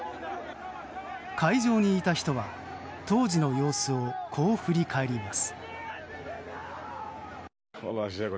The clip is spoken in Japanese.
会場にいた人は当時の様子をこう振り返ります。